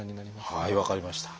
はい分かりました。